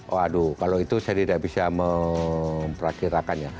waduh kalau itu saya tidak bisa memperhatirakannya